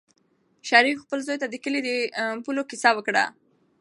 شریف خپل زوی ته د کلي د پولو کیسه وکړه.